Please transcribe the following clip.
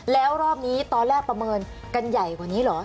แล้วรอบนี้ตอนแรกประเมินกันใหญ่กว่านี้เหรอ